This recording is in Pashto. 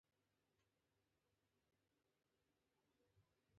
چې یادیږي مې همدغه یو حالت دی